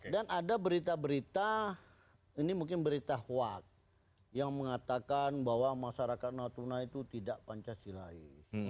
dan ada berita berita ini mungkin berita huat yang mengatakan bahwa masyarakat natuna itu tidak pancasilaes